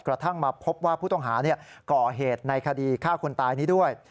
กระทั่งมาพบว่าผู้ต้องหาก่อเหตุในคดีฆ่าคนตายนี้ด้วย